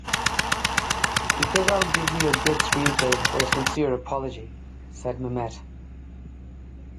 "Because I'll give you a good screenplay or a sincere apology," said Mamet.